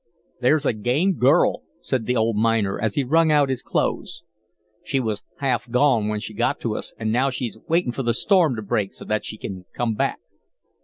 "There's a game girl," said the old miner, as he wrung out his clothes. "She was half gone when she got to us, and now she's waiting for the storm to break so that she can come back."